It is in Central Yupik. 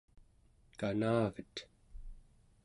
kanavet